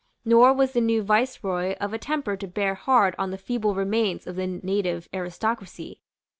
Nor was the new Viceroy of a temper to bear hard on the feeble remains of the native aristocracy.